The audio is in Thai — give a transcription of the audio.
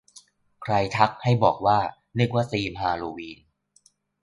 ใครทัก ให้บอกว่า นึกว่าธีมฮาโลวีน